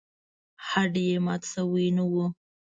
هډ یې مات شوی نه و.